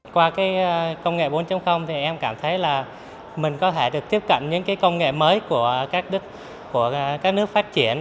qua công nghệ bốn thì em cảm thấy là mình có thể được tiếp cận những công nghệ mới của các nước phát triển